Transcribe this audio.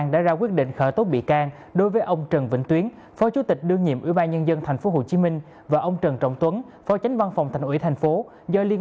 đã tới nơi ở của phó chủ tịch ubnd tp trần vĩnh tuyến